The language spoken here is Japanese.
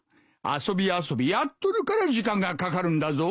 遊び遊びやっとるから時間がかかるんだぞ。